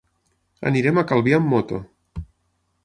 Anirem a Calvià amb moto.